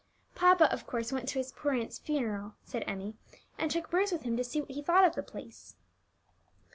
"Papa, of course, went to his poor aunt's funeral," said Emmie, "and took Bruce with him to see what he thought of the place."